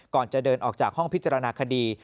ก่อนจะเดินออกจากห้องพิจารณาคดี